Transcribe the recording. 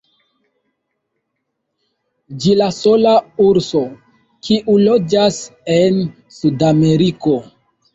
Ĝi la sola urso, kiu loĝas en Sudameriko.